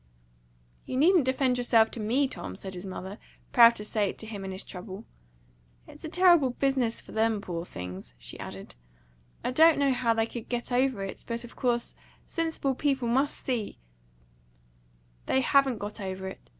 "You needn't defend yourself to ME, Tom," said his mother, proud to say it to him in his trouble. "It's a terrible business for them, poor things," she added. "I don't know how they could get over it. But, of course, sensible people must see " "They haven't got over it.